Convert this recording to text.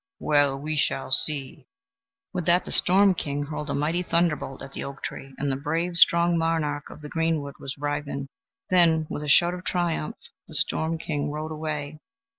Well, we shall see." With that the storm king hurled a mighty thunderbolt at the oak tree, and the brave, strong monarch of the greenwood was riven. Then, with a shout of triumph, the storm king rode away.